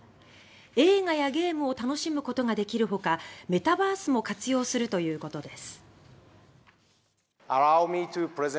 映画やゲームを楽しむことができるほかメタバースも活用するということです。